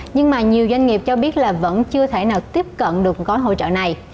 nhưng mà nhiều doanh nghiệp cho biết là vẫn chưa thể nào tiếp cận được gói hỗ trợ này